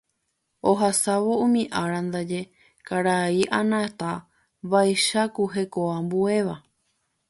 Ohasávo umi ára ndaje karai Anata vaicháku hekoambuéva.